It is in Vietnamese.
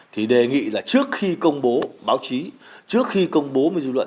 thì đề nghị là trước khi công bố báo chí trước khi công bố dư luận